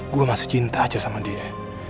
gue masih cinta aja sama dia